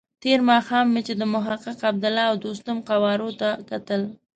تېر ماښام مې چې د محقق، عبدالله او دوستم قوارو ته کتل.